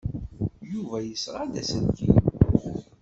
Yuba yesɣa-d aselkim.